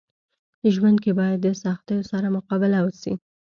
ژوند کي باید د سختيو سره مقابله وسي.